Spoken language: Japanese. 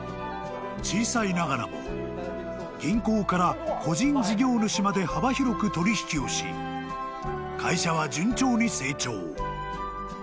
［小さいながらも銀行から個人事業主まで幅広く取引をし会社は順調に成長］